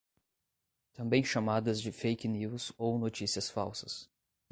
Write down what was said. Também chamadas de fake news ou notícias falsas